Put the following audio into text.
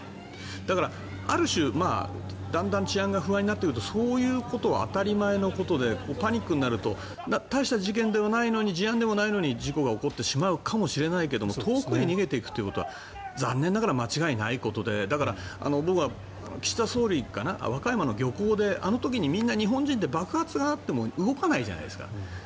だから、ある種、だんだん治安が不安になってくるとそういうことは当たり前のことでパニックになると大した事件ではないのに事案ではないのに事故が起こってしまうかもしれないけど遠くへ逃げていくことは残念ながら間違いないことでだから、僕は岸田総理かな和歌山の漁港であの時、日本人って爆発があっても動かないじゃないですか。